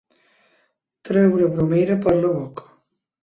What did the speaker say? Treure bromera per la boca.